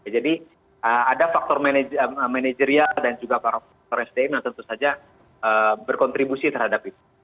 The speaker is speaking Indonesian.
jadi ada faktor manajerial dan juga para stres yang tentu saja berkontribusi terhadap itu